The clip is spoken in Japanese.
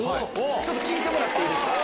ちょっと聞いてもらっていいですか。